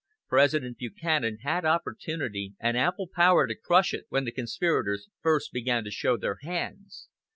President Buchanan had opportunity and ample power to crush it when the conspirators first began to show their hands.